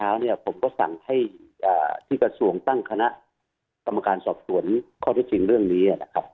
แต่เมื่อเช้าผมก็สั่งให้ที่กระสวงตั้งคณะกรรมการสอบส่วนข้อที่จริงเรื่องนี้